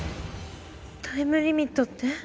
タイムリミットって？